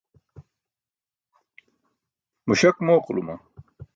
Muśak mooquluma.